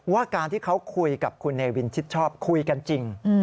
ว่าการที่เขาคุยกับคุณเนวินชิดชอบคุยกันจริง